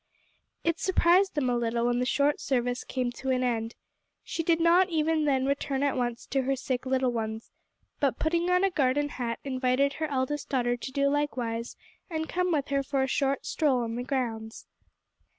It surprised them a little that when the short service came to an end, she did not even then return at once to her sick little ones, but putting on a garden hat invited her eldest daughter to do likewise and come with her for a short stroll in the grounds.